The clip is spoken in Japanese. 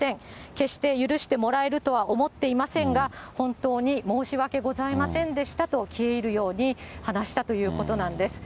決して許してもらえるとは思っていませんが、本当に申し訳ございませんでしたと、消え入るように話したということなんです。